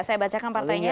saya bacakan partainya